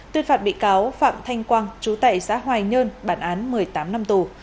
tuyên phạt bị cáo phạm thanh quang chú tẩy xã hoài nhơn bản án một mươi tám năm tù